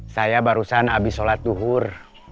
saya barusan abis sholat duhur